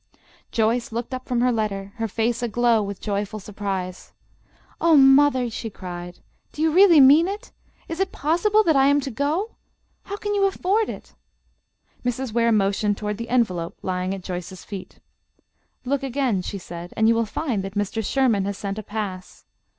Joyce looked up from her letter, her face aglow with joyful surprise. "Oh, mother!" she cried, "do you really mean it? Is it possible that I am to go? How can you afford it?" Mrs. Ware motioned toward the envelope lying at Joyce's feet. "Look again," she said, "and you will find that Mr. Sherman has sent a pass.